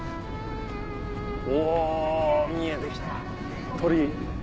お見えてきた鳥居。